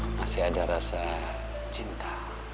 masih ada rasa cinta